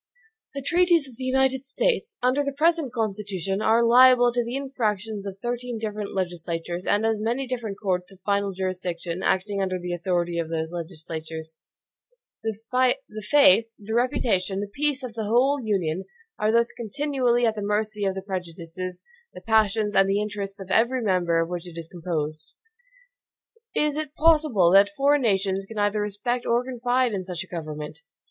The treaties of the United States, under the present Constitution, are liable to the infractions of thirteen different legislatures, and as many different courts of final jurisdiction, acting under the authority of those legislatures. The faith, the reputation, the peace of the whole Union, are thus continually at the mercy of the prejudices, the passions, and the interests of every member of which it is composed. Is it possible that foreign nations can either respect or confide in such a government?